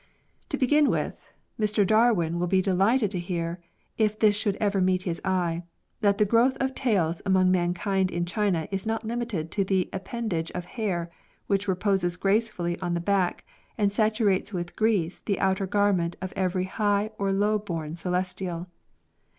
To begin with : Mr Darwin will be delighted to hear, if this should ever meet his eye, that the growth of tails among mankind in China is not limited to the appendage of hair which reposes gracefully on tlie back, and saturates with grease the outer garment of every high or low born Celestial.